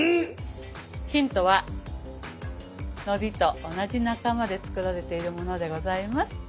ヒントはのりと同じ仲間で作られているものでございます。